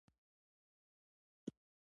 په هغه بشپړ اعتماد وکړ.